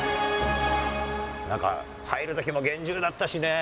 なんか入るときも厳重だったしねぇ。